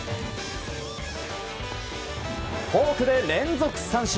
フォークで連続三振。